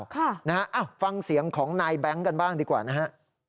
ค่ะนะฮะฟังเสียงของนายแบงค์กันบ้างดีกว่านะฮะ